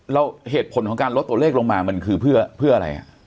แล้วเหตุผลของการลดตัวเลขลงมามันคือเพื่ออะไร